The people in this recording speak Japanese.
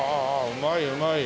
うまいうまい。